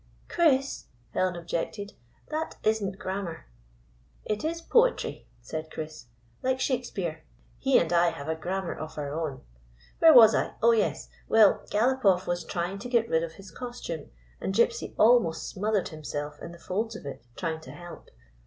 "Chris," Helen objected, "that isn't gram mar." "It is poetry," said Chris. "Like Shake speare. He and I have a grammar of our own. Where was I? Oh, yes. Well, Galopoff was trying to get rid of his costume, and Gypsy 223 GYPSY, THE TALKING DOG almost smothered himself in the folds of it try ing to help.